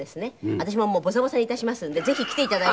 私もボサボサに致しますんでぜひ来て頂いてですね